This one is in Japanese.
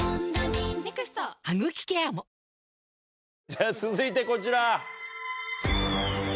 じゃ続いてこちら。